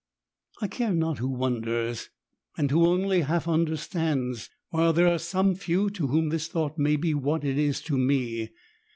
I care not who wonders, and who only half understands, while there are some few to whom this thought may be what it is to me.